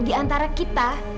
di antara kita